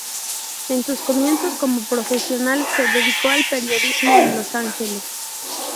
En sus comienzos como profesional se dedicó al periodismo en Los Angeles.